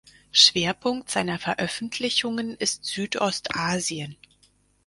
Schwerpunkt seiner Veröffentlichungen ist Südostasien.